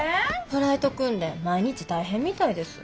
フライト訓練毎日大変みたいです。